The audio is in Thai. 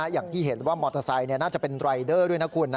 อย่างที่เห็นว่ามอเตอร์ไซค์น่าจะเป็นรายเดอร์ด้วยนะคุณ